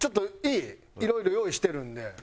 いろいろ用意してるんで。